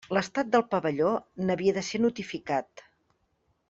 L'estat del pavelló n'havia de ser notificat.